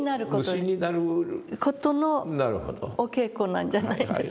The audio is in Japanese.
無心になる事のお稽古なんじゃないんですか。